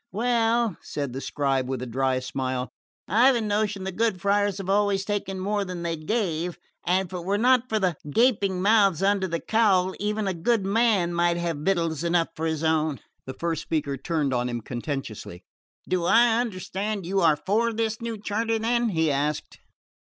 "Well," said the scribe with a dry smile, "I've a notion the good friars have always taken more than they gave; and if it were not for the gaping mouths under the cowl even a poor man might have victuals enough for his own." The first speaker turned on him contentiously. "Do I understand you are for this new charter, then?" he asked.